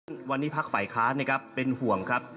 ฉะวันนี้พักฝ่ายค้านนะครับเป็นห่วงครับ